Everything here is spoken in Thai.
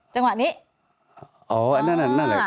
ตั้งแต่เริ่มมีเรื่องแล้ว